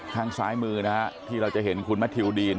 ข้างซ้ายมือนะฮะที่เราจะเห็นคุณแมททิวดีน